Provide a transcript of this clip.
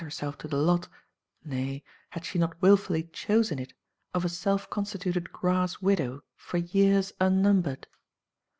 herself to the lot — nay, had she not willfully chosen it — of a self constituted grass widow for years unnumbered?